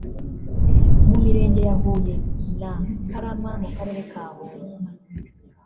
mu mirenge ya Huye na Karama mu karere ka Huye